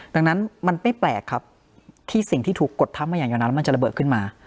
ดังนั้นมันไม่แปลกครับที่สิ่งที่ถูกกดทับมาอย่างยาวนานแล้วมันจะระเบิดขึ้นมา